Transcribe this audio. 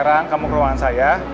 sampai kamu kirim pesan ke saya